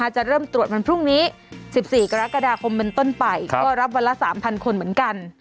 จะเริ่มตรวจวันพรุ่งนี้๑๔กรกฎาคมเป็นต้นไปก็รับวันละ๓๐๐คนเหมือนกัน